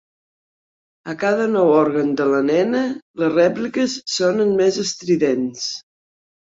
A cada nou òrgan de la nena, les rèpliques sonen més estridents.